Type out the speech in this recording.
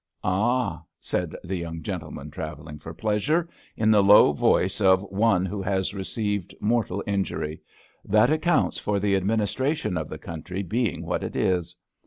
'Ah! *' said the Young Gentleman travelling for Pleasure, in the low voice of one 25 26 ABAFT THE TUNNEL who has received mortal injury, *' that accounts for the administration of the country being what it is.